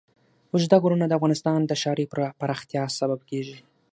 اوږده غرونه د افغانستان د ښاري پراختیا سبب کېږي.